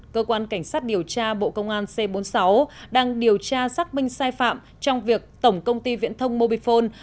cơ quan cảnh sát điều tra bộ công an c bốn mươi sáu đang điều tra xác minh sai phạm trong việc tổng công ty viễn thông mobifone